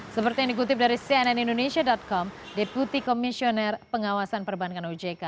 seperti yang dikutip dari cnn indonesia com deputi komisioner pengawasan perbankan ojk